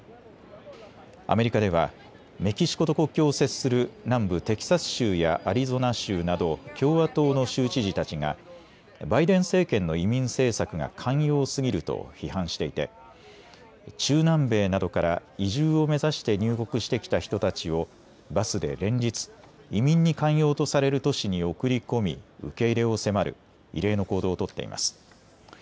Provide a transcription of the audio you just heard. アメリカではメキシコと国境を接する南部テキサス州やアリゾナ州など共和党の州知事たちがバイデン政権の移民政策が寛容すぎると批判していて中南米などから移住を目指して入国してきた人たちをバスで連日、移民に寛容とされる都市に送り込み、受け入れを迫る異例の行動を取っています。